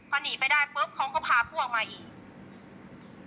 พอหนีไปได้ปุ๊บเขาก็พาพวกมาอีก